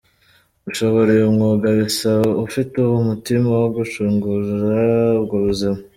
Gushobora uyu mwuga bisaba ufite uwo mutima wo gucungura ubwo buzima.